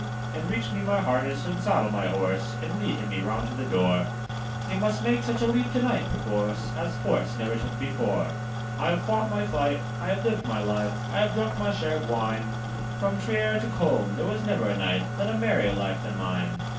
'And reach me my harness, and saddle my horse, And lead him me round to the door: He must take such a leap to night perforce, As horse never took before. 'I have fought my fight, I have lived my life, I have drunk my share of wine; From Trier to Coln there was never a knight Led a merrier life than mine.